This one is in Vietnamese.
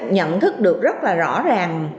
nhận thức được rất là rõ ràng